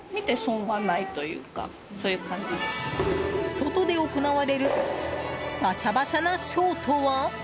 外で行われるバシャバシャなショーとは？